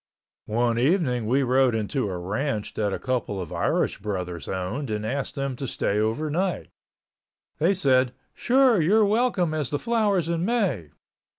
One evening we rode into a ranch that a couple of Irish brothers owned and asked them to stay overnight. They said, "Sure, you're welcome as the flowers in May."